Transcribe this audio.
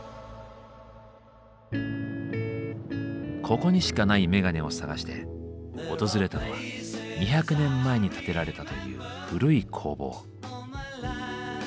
ここにしかないメガネを探して訪れたのは２００年前に建てられたという古い工房。